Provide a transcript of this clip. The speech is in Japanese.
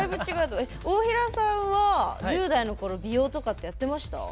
大平さんは１０代のころ美容とかってやってました？